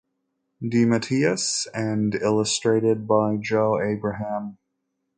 DeMatteis and illustrated by Joe Abraham.